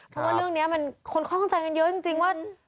เพราะว่าเรื่องนี้มันคนข้องใจกันเยอะจริงว่า